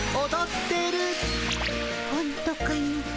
ほんとかの。